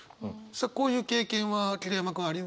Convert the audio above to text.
さあこういう経験は桐山君ある？